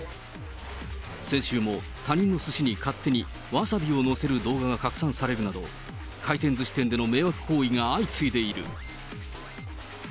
先週も他人のすしに勝手にわさびを載せる動画が拡散されるなど、回転ずし店での迷惑行為が相次いでいる。